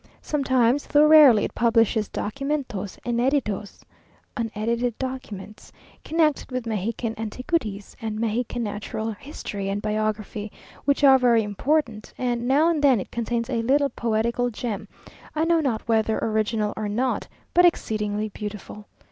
Sometimes, though rarely, it publishes "documentos ineditos" (unedited documents), connected with Mexican antiquities, and Mexican natural history and biography, which are very important; and now and then it contains a little poetical gem, I know not whether original or not, but exceedingly beautiful.